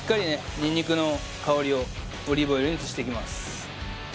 ニンニクの香りをオリーブオイルに移していきます